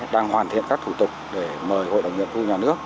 đang hoàn thiện các thủ tục để mời hội đồng nghiệp thu nhà nước